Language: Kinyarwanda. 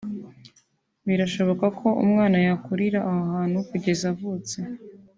Birashoboka ko umwana yakurira aho hantu kugeza avutse